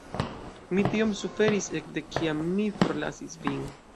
Mi tiom suferis ekde kiam mi forlasis vin.